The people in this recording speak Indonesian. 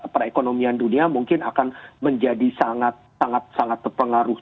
perekonomian dunia mungkin akan menjadi sangat sangat sangat terpengaruh